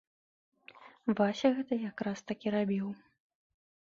Вася гэта як раз такі рабіў.